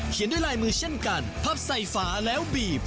ด้วยลายมือเช่นกันพับใส่ฝาแล้วบีบ